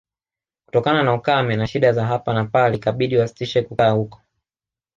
Kutokana na ukame na shida za hapa na pale ikabidi wasitishe kukaa huko